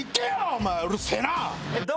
お前うるせえな！